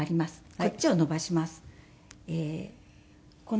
こっちを伸ばします。